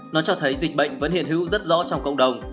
nó cho thấy dịch bệnh vẫn hiện hữu rất rõ trong cộng đồng